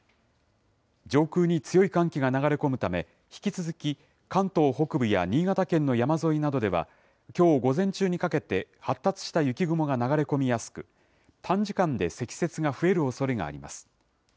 上空に強い寒気が流れ込むため、引き続き、関東北部や新潟県の山沿いなどでは、きょう午前中にかけて発達した雪雲が流れ込みやすく、短時間で積雪が増えるおそれがあります。